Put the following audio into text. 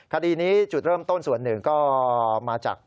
คดีนี้จุดเริ่มต้นส่วนหนึ่งก็มาจาก